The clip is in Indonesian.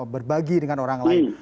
berbagi dengan orang lain